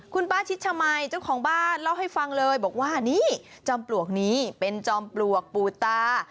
คุณป้าชิดชมัยเจ้าของบ้านเล่าให้ฟังเลยบอกว่านี่จอมปลวกนี้เป็นจอมปลวกปูตา